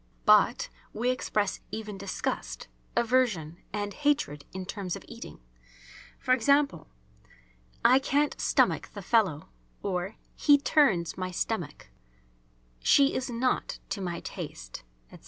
But we express even disgust, aversion and hatred in terms of eating, e.g., "I can't stomach the fellow," or, "he turns my stomach," "she is not to my taste," etc.